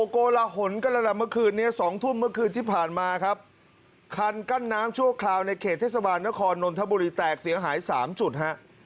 โกลหนกันแล้วล่ะเมื่อคืนนี้๒ทุ่มเมื่อคืนที่ผ่านมาครับคันกั้นน้ำชั่วคราวในเขตเทศบาลนครนนทบุรีแตกเสียหาย๓จุดฮะ